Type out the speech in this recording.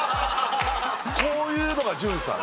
こういうのが潤さん